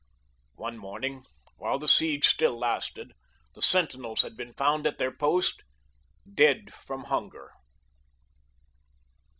One ' morning, while the siege still lasted, the sentinels had been found at their post dead from hunger.